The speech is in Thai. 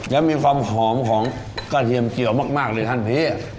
แล้วมีความหอมของกระเทียมเจียวมากเลยท่านพี่